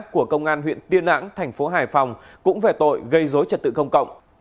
của công an huyện tiên ẵng tp hải phòng cũng về tội gây dối trật tự công cộng